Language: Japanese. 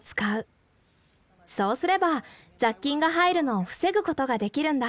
そうすれば雑菌が入るのを防ぐことができるんだ。